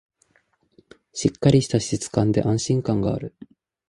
しっかりした質感で安心感がある